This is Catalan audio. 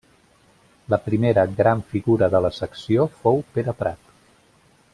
La primera gran figura de la secció fou Pere Prat.